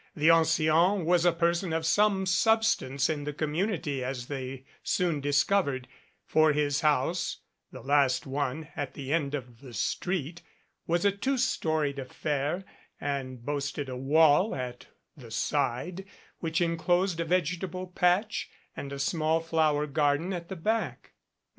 The ancien was a person of some substance in the community as they soon discovered, for his house, the last one at the end of the street, was a two storied affair and boasted of a wall at the side which inclosed a vegetable patch and a small flower garden at the back.